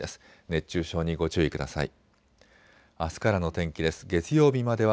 熱中症にご注意ください。